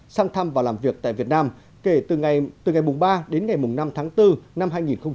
sang thăm và làm việc tại việt nam kể từ ngày ba đến ngày năm tháng bốn năm hai nghìn hai mươi